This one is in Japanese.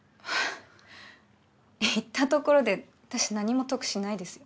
言ったところで私何も得しないですよ。